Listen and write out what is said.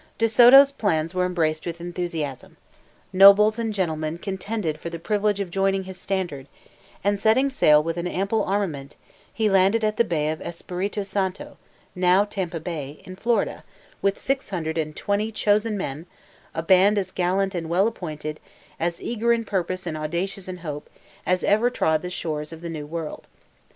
De Soto's plans were embraced with enthusiasm. Nobles and gentlemen contended for the privilege of joining his standard; and, setting sail with an ample armament, he landed at the bay of Espiritu Santo, now Tampa Bay, in Florida, with six hundred and twenty chosen men, a band as gallant and well appointed, as eager in purpose and audacious in hope, as ever trod the shores of the New World.